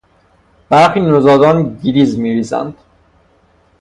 برخی نوزادان گلیز میریزند.